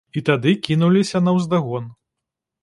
І тады кінуліся наўздагон.